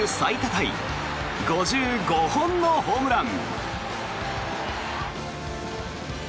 タイ５５本のホームラン。